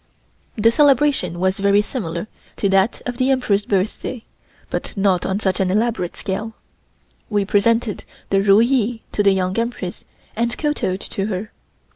The celebration was very similar to that of the Emperor's birthday, but not on such an elaborate scale. We presented the Ru Yee to the Young Empress and kowtowed to her.